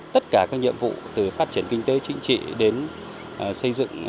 tất cả các nhiệm vụ từ phát triển kinh tế chính trị đến xây dựng